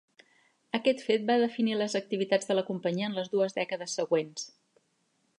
Aquest fet va definir les activitats de la companyia en les dues dècades següents.